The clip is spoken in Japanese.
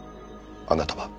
あなたは？」